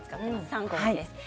３個です。